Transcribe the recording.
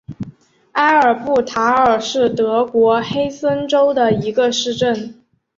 埃尔布塔尔是德国黑森州的一个市镇。